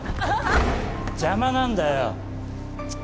邪魔なんだよ。